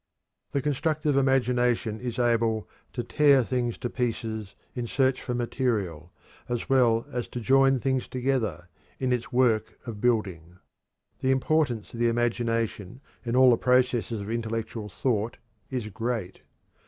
The constructive imagination is able to "tear things to pieces" in search for material, as well as to "join things together" in its work of building. The importance of the imagination in all the processes of intellectual thought is great.